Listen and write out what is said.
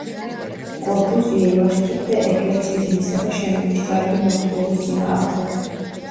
კორბუზიე ილაშქრებდა ეკლექტიზმისა და შენობის ჭარბი მორთულობის წინააღმდეგ.